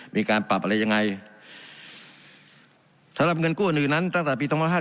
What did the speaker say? มีการปรับอะไรยังไงสำหรับเงินกู้อื่นนั้นตั้งแต่ปี๒๕๕๘